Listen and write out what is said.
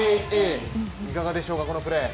いかがでしょうか、このプレー。